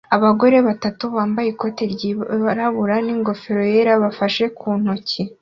Abagabo batatu bambaye ikoti ryirabura n'ingofero yera bafashe ku ntoki